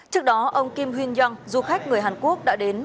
trước đó ông kim huynh young du khách người hàn quốc